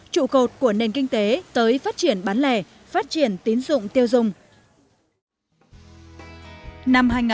trụ cột của nền kinh tế tới phát triển bán lẻ phát triển tín dụng tiêu dùng